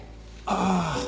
ああ。